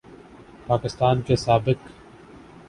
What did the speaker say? پاکستان کے سابق